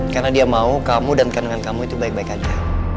karena dia mau kamu dan kandungan kamu itu baik baik aja